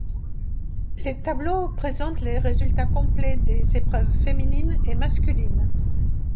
Les tableaux présentent les résultats complets des épreuves féminines et masculines.